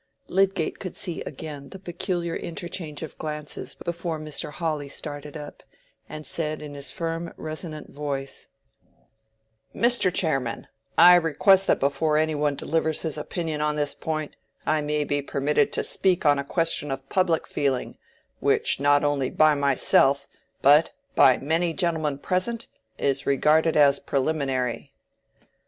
Lydgate could see again the peculiar interchange of glances before Mr. Hawley started up, and said in his firm resonant voice, "Mr. Chairman, I request that before any one delivers his opinion on this point I may be permitted to speak on a question of public feeling, which not only by myself, but by many gentlemen present, is regarded as preliminary."